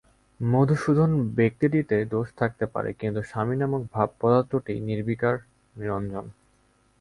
মধুসূদন-ব্যক্তিটিতে দোষ থাকতে পারে, কিন্তু স্বামী-নামক ভাব-পদার্থটি নির্বিকার নিরঞ্জন।